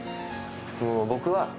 もう僕は。